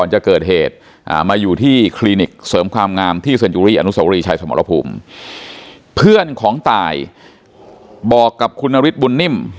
ชายสมรภูมิเพื่อนของตายบอกกับคุณนฤทธิ์บุญนิ่ม